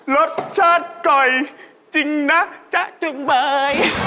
รสชาติก่อยจริงนะจ๊ะจุ่งเบอร์